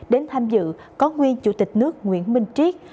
đến tham dự có nguyên chủ tịch nước nguyễn minh triết